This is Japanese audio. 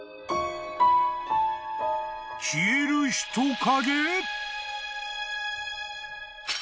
［消える人影］